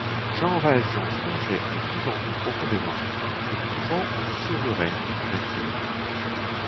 Jean Valjean songeait de plus en plus profondément. — Ce couvent nous sauverait, murmurait-il.